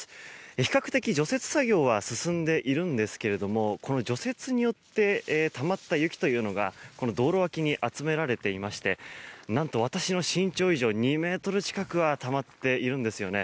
比較的、除雪作業は進んでいるんですけれどもこの除雪によってたまった雪が道路脇に集められていまして何と、私の身長以上２ｍ近くはたまっているんです。